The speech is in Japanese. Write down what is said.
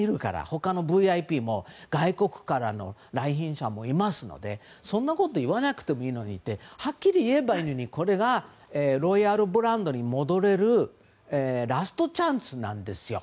他のＶＩＰも外国からの来賓者もいますのでそんなこと言わなくてもいいのにはっきり言えばいいのにこれがロイヤルブランドに戻れるラストチャンスなんですよ。